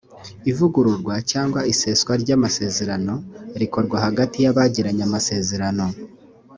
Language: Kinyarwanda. ivugururwa cyangwa iseswa ry’ amasezerano rikorwa hagati y’abagiranye amasezerano